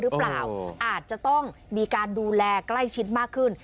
หรือเปล่าอาจจะต้องมีการดูแลใกล้ชิดมากขึ้น